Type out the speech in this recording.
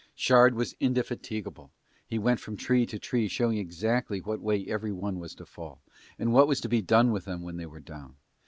Shard was indefatigable, he went from tree to tree showing exactly what way every one was to fall, and what was to be done with them when they were down.